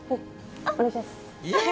お願いします。